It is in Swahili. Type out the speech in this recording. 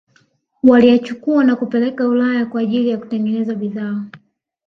waliyachukua na kuyapeleka Ulaya kwa ajili ya kutengeneza bidhaa